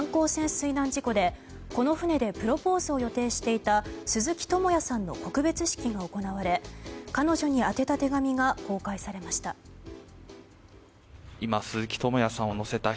水難事故でこの船でプロポーズを予定していた鈴木智也さんの告別式が行われ彼女に宛てた手紙が公開されました。